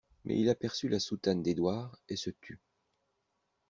Mais il aperçut la soutane d'Édouard et se tut.